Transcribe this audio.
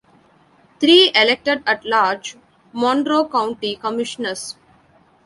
Three, elected at large, Monroe County Commissioners.